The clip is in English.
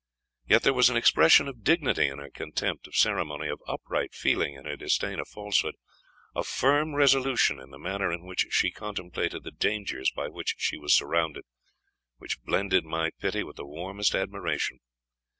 Yet there was an expression of dignity in her contempt of ceremony of upright feeling in her disdain of falsehood of firm resolution in the manner in which she contemplated the dangers by which she was surrounded, which blended my pity with the warmest admiration.